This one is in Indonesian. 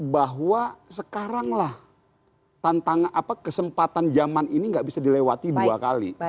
bahwa sekaranglah tantangan apa kesempatan zaman ini gak bisa dilewati dua kali